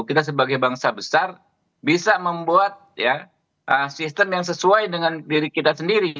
kita sebagai bangsa besar bisa membuat sistem yang sesuai dengan diri kita sendiri